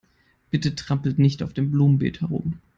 Bitte trampelt nicht auf dem Blumenbeet herum.